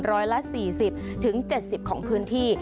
ร้อยละ๔๐๗๐ของพื้นที่